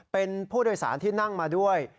เป็นผู้โดยสารที่นั่งมาด้วย